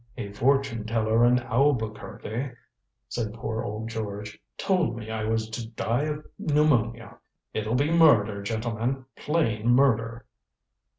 "A fortune teller in Albuquerque," said poor old George, "told me I was to die of pneumonia. It'll be murder, gentlemen plain murder."